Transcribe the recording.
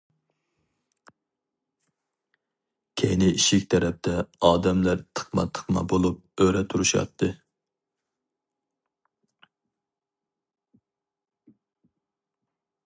كەينى ئىشىك تەرەپتە ئادەملەر تىقما-تىقما بولۇپ ئۆرە تۇرۇشاتتى.